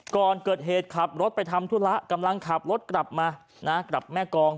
ก่อนเกิดเหตุขับรถไปทำธุระกำลังขับรถกลับมานะกลับแม่กอง